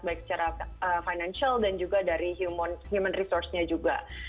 baik secara financial dan juga dari human resource nya juga